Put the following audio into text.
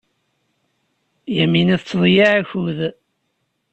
Yamina tettḍeyyiɛ akud.